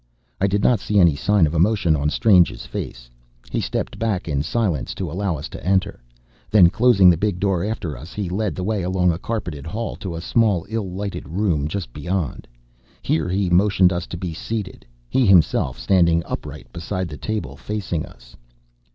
I did not see any sign of emotion on Strange's face. He stepped back in silence to allow us to enter. Then closing the big door after us, he led the way along a carpeted hall to a small, ill lighted room just beyond. Here he motioned us to be seated, he himself standing upright beside the table, facing us.